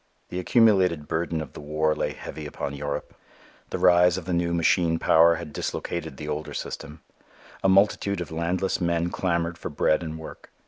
The accumulated burden of the war lay heavy upon Europe. The rise of the new machine power had dislocated the older system. A multitude of landless men clamored for bread and work.